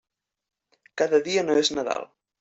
Cada dia no és Nadal.